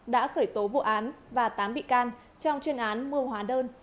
đã khởi tố vụ án và tám bị can trong chuyên án mua hóa đơn